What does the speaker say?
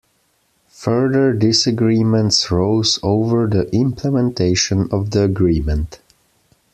Further disagreements rose over the implementation of the agreement.